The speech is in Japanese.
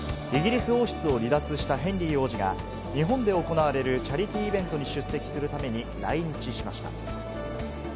イギリス王室を離脱したヘンリー王子が日本で行われるチャリティーイベントに出席するために来日しました。